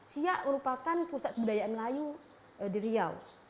siak merupakan pusat kebudayaan melayu di riau